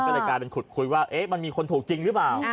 ก็เลยกลายเป็นขุดคุยว่ามันมีคนถูกจริงหรือเปล่า